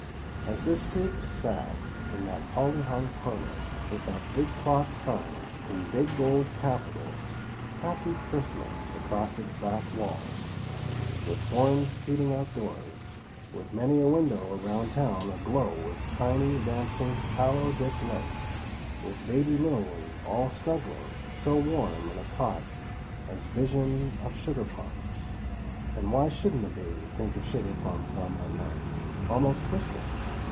As this group sat in that holly hung parlor, with that big cloth sign in big gold capitals; HAPPY CHRISTMAS, across its back wall; with horns tooting outdoors; with many a window around town aglow with tiny, dancing tallow dip lights; with baby Lillian "all snuggling so warm in a cot; as vision of sugar plums" (and why shouldn't a baby think of sugar plums on that night, almost Christmas?)